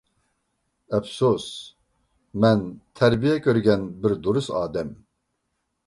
ئەپسۇس، مەن تەربىيە كۆرگەن بىر دۇرۇس ئادەم.